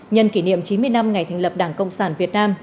nhân kỷ niệm chín mươi năm ngày thành lập đảng cộng sản việt nam